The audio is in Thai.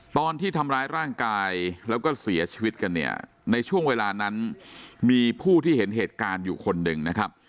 ตอนที่ทำร้ายร่างกายแล้วก็เสียชีวิตกันเนี่ยในช่วงเวลานั้นมีผู้ที่เห็นเหตุการณ์อยู่คนหนึ่งนะครับ